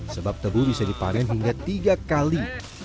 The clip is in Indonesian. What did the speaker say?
sebab tebu bisa dipanen hingga tiga kali